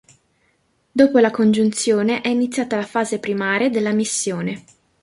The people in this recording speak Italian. Dopo la congiunzione è iniziata la fase primaria della missione.